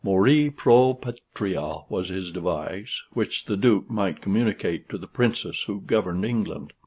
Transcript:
'Mori pro patria' was his device, which the Duke might communicate to the Princess who governed England."